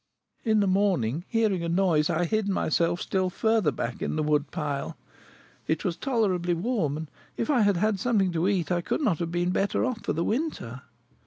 In the morning, hearing a noise, I hid myself still further back in the wood pile. It was tolerably warm, and, if I had had something to eat, I could not have been better off for the winter."